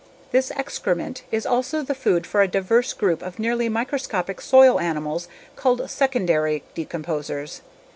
This excrement is also the food for a diverse group of nearly microscopic soil animals called secondary decomposers.